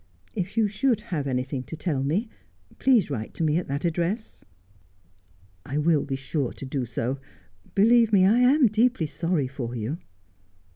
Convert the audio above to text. If you should have anything to tell me, please write to me at that address.' ' I will be sure to do so. Believe me, I am deeply sorry for you.'